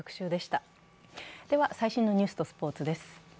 では、最新のニュースとスポーツです。